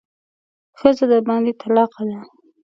ښځه درباندې طلاقه ده.